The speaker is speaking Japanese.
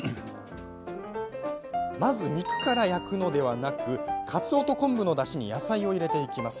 まず肉から焼くのではなくかつおと昆布のだしに野菜を入れていきます。